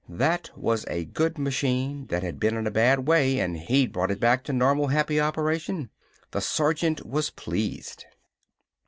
That was a good machine that had been in a bad way and he'd brought it back to normal, happy operation. The sergeant was pleased.